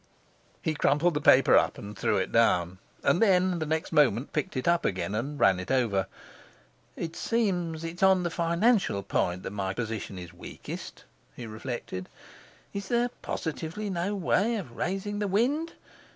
He crumpled the paper up and threw it down; and then, the next moment, picked it up again and ran it over. 'It seems it's on the financial point that my position is weakest,' he reflected. 'Is there positively no way of raising the wind?